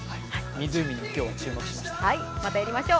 湖に今日は注目しました。